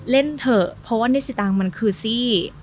เล่นเถอะเพราะว่าเนสสิตางมันคือซี่